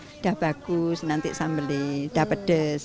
udah bagus nanti sambelnya udah pedes